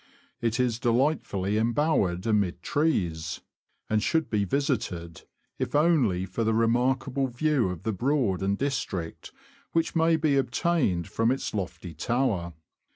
It is delightfully embowered amid trees, and should be visited, if only for the remarkable view of the Broad and district which may be obtained from its lofty tower.